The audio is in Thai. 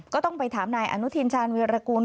ก็ต้องไปถามนายอนุทินชาญวิรากูล